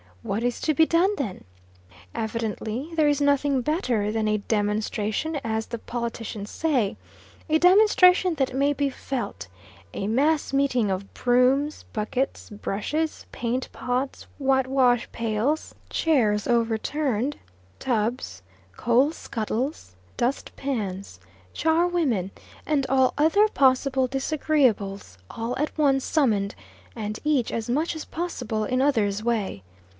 What is to be done, then? Evidently there is nothing better than a "demonstration," as the politicians say a demonstration that may be felt; a mass meeting of brooms, buckets, brushes, paint pots, white wash pails, chairs overturned, tubs, coal skuttles, dust pans, char women, and all other possible disagreeables, all at once summoned, and each as much as possible in others' way.